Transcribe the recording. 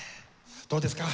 どうですか？